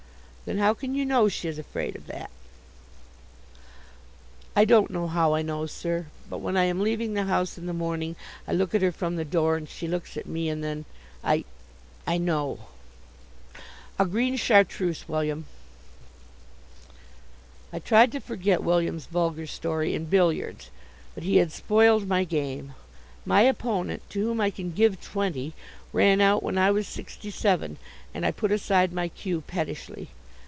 "Then how can you know she is afraid of that?" "I don't know how I know, sir, but when I am leaving the house in the morning I look at her from the door, and she looks at me, and then I I know." "A green Chartreuse, William!" I tried to forget William's vulgar story in billiards, but he had spoiled my game. My opponent, to whom I can give twenty, ran out when I was sixty seven, and I put aside my cue pettishly.